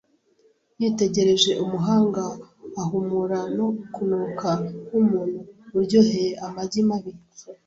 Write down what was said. yitegereje umuganga ahumura no kunuka, nkumuntu uryoheye amagi mabi.